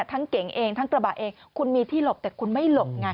เก๋งเองทั้งกระบะเองคุณมีที่หลบแต่คุณไม่หลบไง